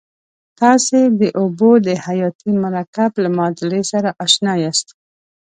تاسې د اوبو د حیاتي مرکب له معادلې سره آشنا یاست.